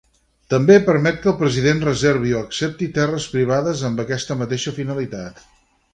També permet que el president reservi o accepti terres privades amb aquesta mateixa finalitat.